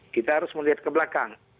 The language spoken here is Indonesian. kita harus melihat ke belakang